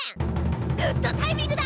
グッドタイミングだ！